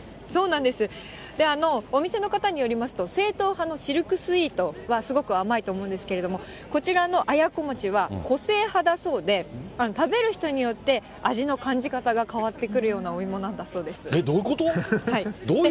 お店の方によりますと、正統派のシルクスイートはすごく甘いと思うんですけど、こちらのあやこまちは個性派だそうで、食べる人によって、味の感じ方が変わってくるようなお芋なんだそうです。